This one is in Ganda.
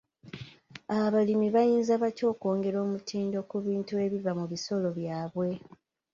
Abalimi bayinza batya okwongera omutindo ku bintu ebiva mu bisolo byabwe?